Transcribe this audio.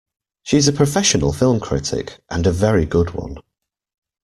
She's a professional film critic, and a very good one.